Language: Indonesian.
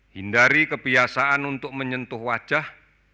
hindari kebiasaan untuk menyentuh wajah